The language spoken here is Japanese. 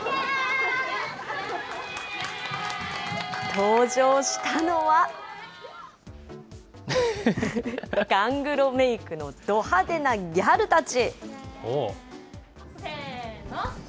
登場したのは、ガングロメイクのド派手なギャルたち。